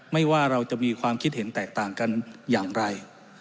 ว่าเราจะมีความคิดเห็นแตกต่างกันอย่างไร